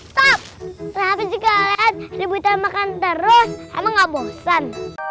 stop tapi jika kalian ributan makan terus emang gak bosan